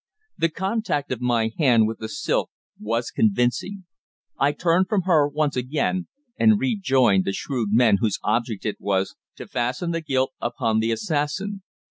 The contact of my hand with the silk was convincing. I turned from her once again, and rejoined the shrewd men whose object it was to fasten the guilt upon the assassin.